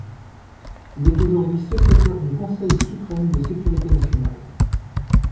Il est aujourd'hui secrétaire du Conseil suprême de sécurité nationale.